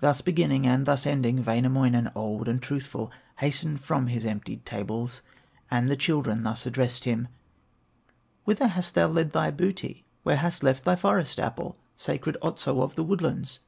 Thus beginning, and thus ending, Wainamoinen, old and truthful, Hastened from his emptied tables, And the children thus addressed him: "Whither hast thou led thy booty, Where hast left thy Forest apple, Sacred Otso of the woodlands?